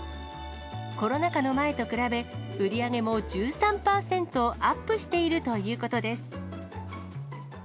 コロナ禍の前と比べ、売り上げも１３％アップしているということです。